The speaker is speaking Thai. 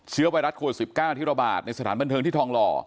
ไวรัสโควิด๑๙ที่ระบาดในสถานบันเทิงที่ทองหล่อ